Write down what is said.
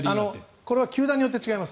これは球団によって違います。